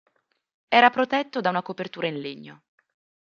Era protetto da una copertura in legno.